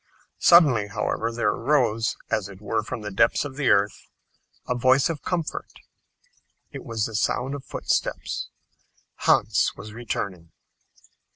Suddenly, however, there arose, as it were from the depths of the earth, a voice of comfort. It was the sound of footsteps! Hans was returning.